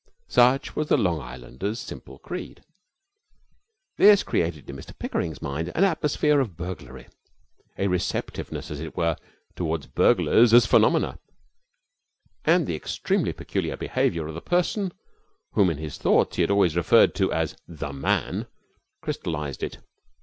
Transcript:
Such was the Long Islander's simple creed. This created in Mr Pickering's mind an atmosphere of burglary, a receptiveness, as it were, toward burglars as phenomena, and the extremely peculiar behaviour of the person whom in his thoughts he always referred to as The Man crystallized it.